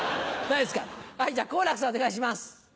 じゃあ好楽さんお願いします。